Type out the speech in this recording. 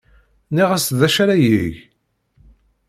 Nniɣ-as d acu ara yeg.